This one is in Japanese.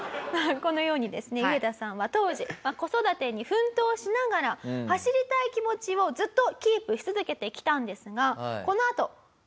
このようにですねユゲタさんは当時子育てに奮闘しながら走りたい気持ちをずっとキープし続けてきたんですが。